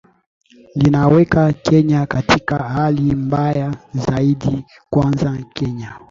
linaweka kenya katika hali mbaya zaidi kwanza kenya